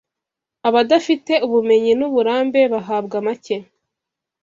abadafite ubumenyi n'uburambe bahabwa make